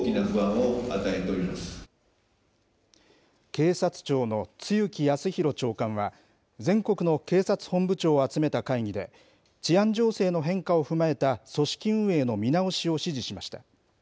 警察庁の露木康浩長官は、全国の警察本部長を集めた会議で、治安情勢の変化を踏まえた組織運営の見直しを指示しました。